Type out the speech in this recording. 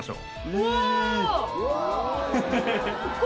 うわ！